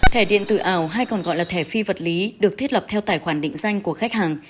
thẻ điện tử ảo hay còn gọi là thẻ phi vật lý được thiết lập theo tài khoản định danh của khách hàng